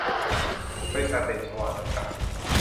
บริษัท เดชวา จำกัด